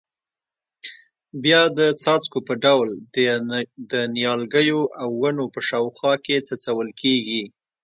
بیا د څاڅکو په ډول د نیالګیو او ونو په شاوخوا کې څڅول کېږي.